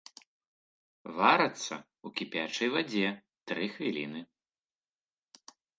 Варацца ў кіпячай вадзе тры хвіліны.